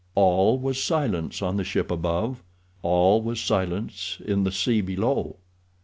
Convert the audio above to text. All was silence on the ship above—all was silence in the sea below.